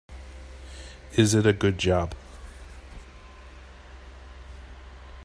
Is it a good job?